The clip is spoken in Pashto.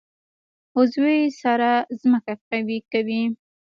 عضوي سره ځمکه قوي کوي.